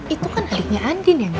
itu kan adiknya andin ya mbak nini